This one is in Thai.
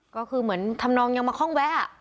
ก็คือเหมือนทำนองยังมาคล่องแวะ